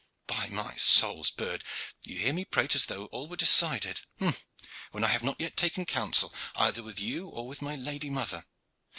But, my soul's bird, you hear me prate as though all were decided, when I have not yet taken counsel either with you or with my lady mother.